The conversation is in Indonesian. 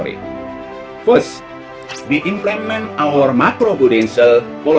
kami mengimplementasikan polisi makrobudensial kita